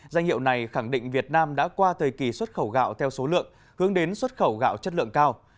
danh hiệu này khẳng định việt nam đã qua thời kỳ xuất khẩu gạo theo số lượng hướng đến xuất khẩu gạo chất lượng cao